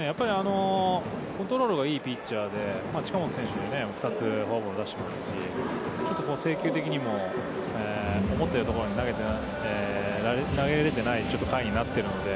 コントロールがいいピッチャーで、近本選手で、２つフォアボールを出してますし、ちょっと制球的にも思ったようなところに投げれてない回になってるので、